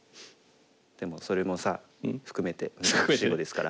でもそれもさ含めて目隠し碁ですから。